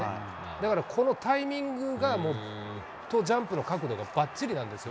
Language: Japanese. だから、このタイミングとジャンプの角度が、ばっちりなんですよ。